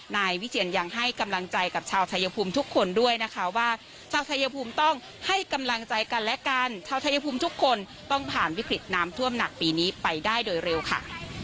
นายวิเชียนยังให้กำลังใจกับชาวชายภูมิทุกคนด้วยนะคะว่าชาวชายภูมิต้องให้กำลังใจกันและกันชาวชายภูมิทุกคนต้องผ่านวิกฤตน้ำท่วมหนักปีนี้ไปได้โดยเร็วค่ะ